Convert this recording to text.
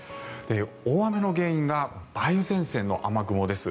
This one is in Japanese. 大雨の原因が梅雨前線の雨雲です。